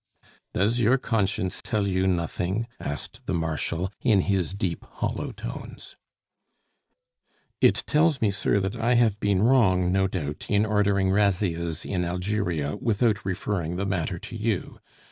"Does your conscience tell you nothing?" asked the Marshal, in his deep, hollow tones. "It tells me, sir, that I have been wrong, no doubt, in ordering razzias in Algeria without referring the matter to you.